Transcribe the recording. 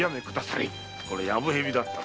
これはやぶ蛇だったな。